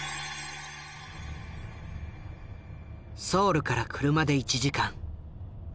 ソウルから車で１時間。